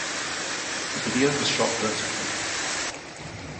The video was shot vertically.